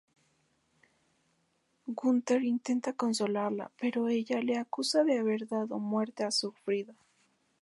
Gunther intenta consolarla, pero ella le acusa de haber dado muerte a Sigfrido.